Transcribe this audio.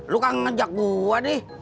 lo kan ngajak gua di